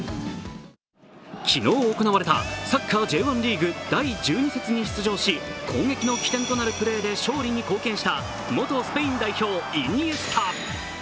昨日行われたサッカーＪ１リーグ第１２節に出場し攻撃の起点となるプレーで勝利に貢献した元スペイン代表・イニエスタ。